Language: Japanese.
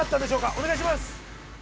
お願いします